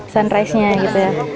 sunrise nya gitu ya